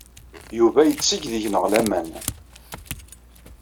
Yuba yetteg deg-neɣ laman.